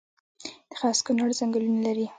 د خاص کونړ ځنګلونه لري